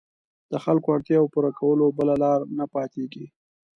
د خلکو اړتیاوو پوره کولو بله لاره نه پاتېږي.